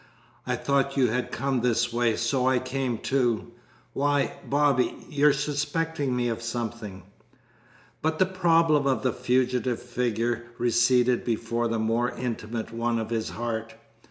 I thought you had come this way, so I came, too. Why, Bobby, you're suspecting me of something!" But the problem of the fugitive figure receded before the more intimate one of his heart.